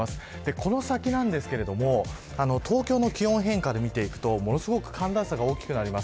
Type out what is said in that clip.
この先なんですけど東京の気温変化で見ていくとものすごく寒暖差が大きくなります。